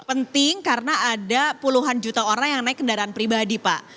penting karena ada puluhan juta orang yang naik kendaraan pribadi pak